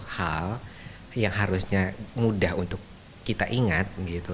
hal yang harusnya mudah untuk kita ingat gitu